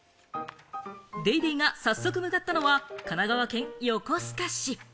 『ＤａｙＤａｙ．』が早速向かったのは神奈川県横須賀市。